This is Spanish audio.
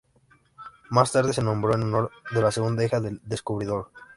Más tarde, se nombró en honor de la segunda hija del descubridor.